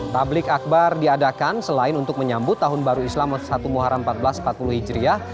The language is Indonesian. tablik akbar diadakan selain untuk menyambut tahun baru islam satu muharam seribu empat ratus empat puluh hijriah